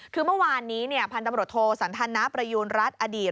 คือเมื่อวานนี้พันธบรวจโทสันธนประยูณรัฐอดีต